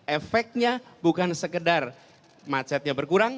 efeknya bukan sekedar macetnya berkurang